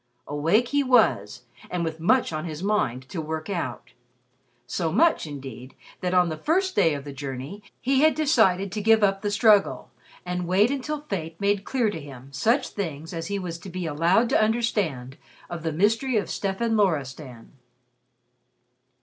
Awake he was, and with much on his mind "to work out," so much, indeed, that on the first day of the journey he had decided to give up the struggle, and wait until fate made clear to him such things as he was to be allowed to understand of the mystery of Stefan Loristan.